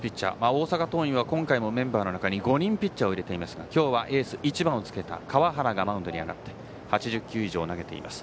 大阪桐蔭は今回もメンバーの中に５人ピッチャーを入れていますが今日はエース、１番をつけた川原がマウンドに上がって８０球以上を投げています。